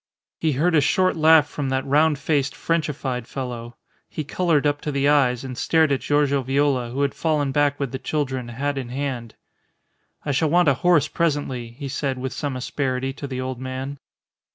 He heard a short laugh from that round faced, Frenchified fellow. He coloured up to the eyes, and stared at Giorgio Viola, who had fallen back with the children, hat in hand. "I shall want a horse presently," he said with some asperity to the old man.